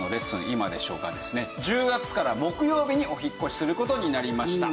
今でしょ』がですね１０月から木曜日にお引っ越しする事になりました。